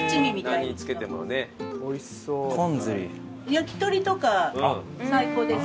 焼き鳥とか最高です。